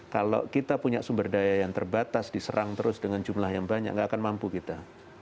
kalau kita punya sumber daya yang terbatas diserang terus dengan jumlah yang banyak nggak akan mampu kita